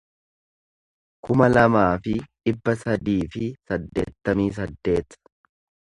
kuma lamaa fi dhibba sadii fi saddeettamii saddeet